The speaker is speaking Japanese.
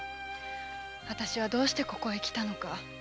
私はどうしてここへ来たのか。